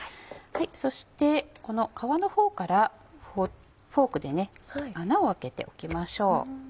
そしてこの皮の方からフォークで穴を開けておきましょう。